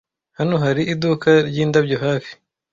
Hano hari iduka ryindabyo hafi.